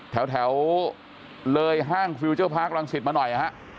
แถวเลยห้างฟิลเจอร์พาร์ครังสิตมาหน่อยฮะ